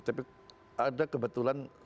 tapi ada kebetulan